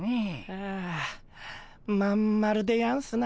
ああ真ん丸でやんすな。